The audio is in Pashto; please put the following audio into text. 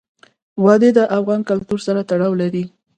وادي د افغان کلتور سره تړاو لري.